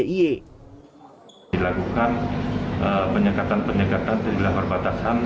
pemerintah d i e melakukan penyekatan penyekatan di wilayah perbatasan